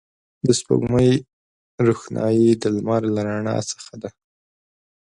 د سپوږمۍ روښنایي د لمر له رڼا څخه ده